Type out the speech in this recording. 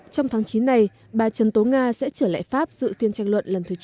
trong tháng chín này bà trần tố nga sẽ trở lại pháp dự kiên trang luận lần thứ chín